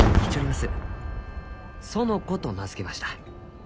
園子と名付けました」。